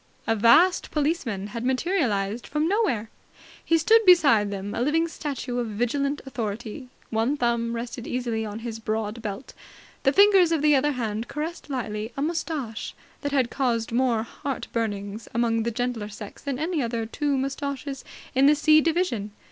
A vast policeman had materialized from nowhere. He stood beside them, a living statue of Vigilant Authority. One thumb rested easily on his broad belt. The fingers of the other hand caressed lightly a moustache that had caused more heart burnings among the gentler sex than any other two moustaches in the C division.